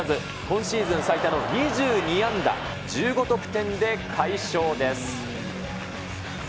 今シーズン最多の２２安打１５得点で快勝です。